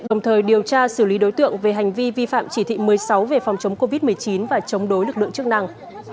đồng thời điều tra xử lý đối tượng về hành vi vi phạm chỉ thị một mươi sáu về phòng chống covid một mươi chín và chống đối lực lượng chức năng